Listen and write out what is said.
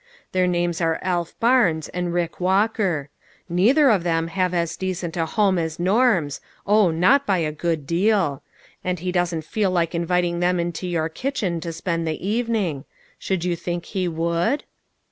Their names are Alf Barnes and Rick Walker. Neither of them have as decent a home as Norm's, oh ! not by a good deal. And he doesn't feel like inviting them A GREAT UNDERTAKING. 97 into your kitchen to spend the evening. Should you think he would?"